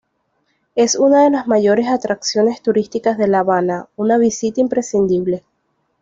Es una de las mayores atracciones turísticas de La Habana, una visita imprescindible.